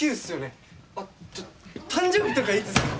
あっ誕生日とかいつっすか？